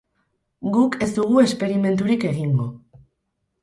Guk ez dugu esperimenturik egingo.